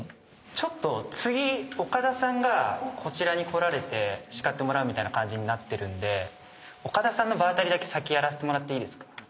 ちょっと次岡田さんがこちらに来られて叱ってもらうみたいな感じになってるんで岡田さんの場当たりだけ先やらせてもらっていいですか？